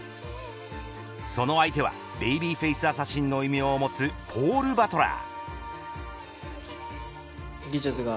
その相手はベイビーフェイスアサシンの異名を持つボール・バトラー。